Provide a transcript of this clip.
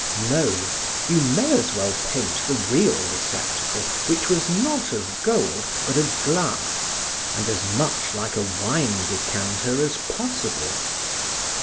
No, you may as well paint the real receptacle, which was not of gold, but of glass, and as much like a wine decanter as possible.